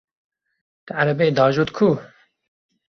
Te erebeyê diajot ku?